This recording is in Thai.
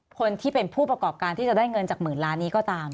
คนที่เป็นผู้ประกอบการที่จะได้เงินจากหมื่นล้านนี้ก็ตาม